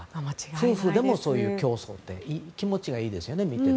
夫婦でもそういう競争をして見ていても気持ちがいいですよね。